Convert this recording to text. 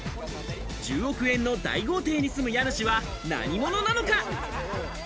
１０億円の大豪邸に住む家主は何者なのか。